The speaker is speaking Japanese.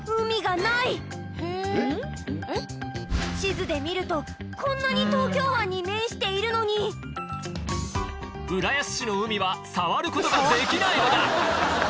地図で見るとこんなに東京湾に面しているのに浦安市の海は触ることができないのだ！